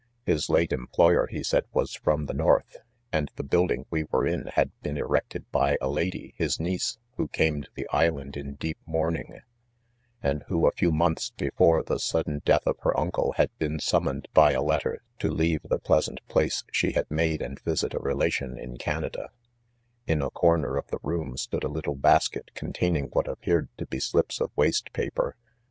— His late employer, he said, was from the north, and the building we were in had been erected by a lady, his niece, who came to the island in deep mourning j ^nd who, a few months before the sudden, death of her uncle, had been sum moned, by a letter, to leave the pleasant place she had made and visit a relation in Canada* In a coiner of the room stood a little basket containing what appeared to be slips of waste paper.